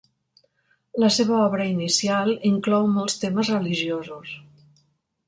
La seva obra inicial inclou molts temes religiosos.